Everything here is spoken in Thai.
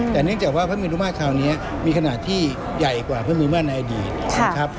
แต่เนื่องจากว่าพระเมรุมาตรคราวนี้มีขนาดที่ใหญ่กว่าพระมิมาในอดีตนะครับ